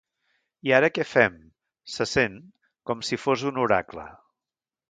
I ara què fem? —se sent, com si fos un oracle.